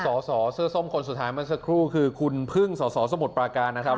สอสอเสื้อส้มคนสุดท้ายเมื่อสักครู่คือคุณพึ่งสอสอสมุทรปราการนะครับ